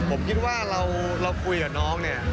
ผมคิดว่าเราคุยกับน้องเนี่ย